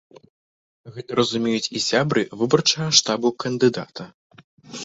Гэта разумеюць і сябры выбарчага штабу кандыдата.